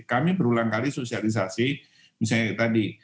kami berulang kali sosialisasi misalnya tadi